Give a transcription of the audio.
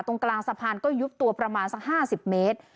ตรงกลางสะพานก็ยุบตัวประมาณสัก๕๐เมตร